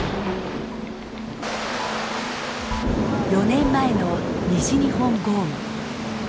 ４年前の西日本豪雨。